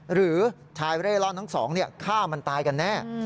หรือชายเร่ร่อนทั้งสองฆ่ามันตายกันแน่